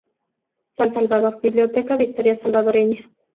San Salvador: Biblioteca de Historia Salvadoreña.